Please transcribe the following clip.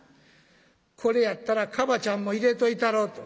これやったらカバチャンも入れといたろうと」。